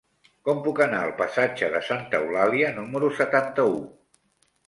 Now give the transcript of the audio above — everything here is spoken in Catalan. Com puc anar al passatge de Santa Eulàlia número setanta-u?